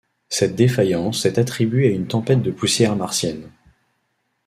Cette défaillance est attribuée à une tempête de poussière martienne.